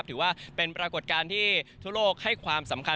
ถือว่าเป็นปรากฏการณ์ที่ทั่วโลกให้ความสำคัญ